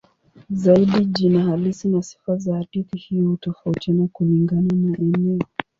Zaidi jina halisi na sifa za hadithi hiyo hutofautiana kulingana na eneo.